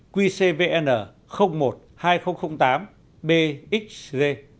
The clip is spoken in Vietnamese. quy cvn một hai nghìn tám bxg